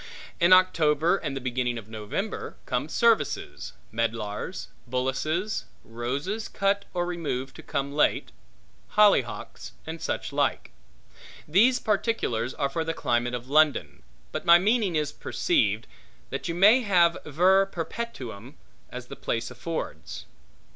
In October and the beginning of November come services; medlars; bullaces; roses cut or removed to come late; hollyhocks; and such like. These particulars are for the climate of London; but my meaning is perceived, that you may have ver perpetuum, as the place affords.